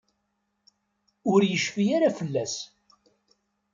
Ur yecfi ara fell-as.